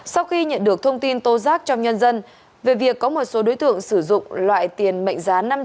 sau khi nhận được thông tin tố giác trong nhân dân về việc có một số đối tượng sử dụng loại tiền mệnh giá